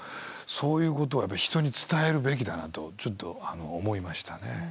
そういうことをやっぱり人に伝えるべきだなとちょっと思いましたね。